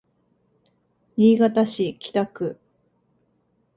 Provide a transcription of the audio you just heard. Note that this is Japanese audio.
新潟市北区